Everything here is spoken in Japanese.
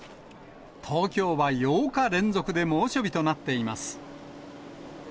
東京は８日連続で猛暑日となっています。